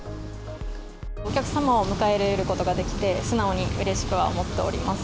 お客様を迎え入れることができて、素直にうれしくは思っております。